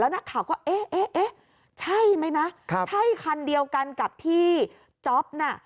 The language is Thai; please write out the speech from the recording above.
นักข่าวก็เอ๊ะเอ๊ะใช่ไหมนะใช่คันเดียวกันกับที่จ๊อปน่ะ